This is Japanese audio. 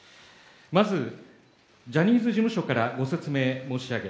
まず、ジャニーズ事務所からご説明申し上げ